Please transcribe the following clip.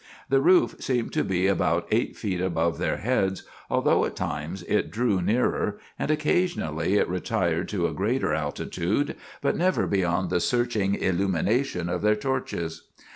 The roof seemed to be about eight feet above their heads, although at times it drew nearer, and occasionally it retired to a greater altitude, but never beyond the searching illumination of their torches.